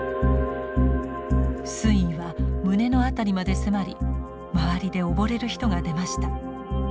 水位は胸の辺りまで迫り周りで溺れる人が出ました。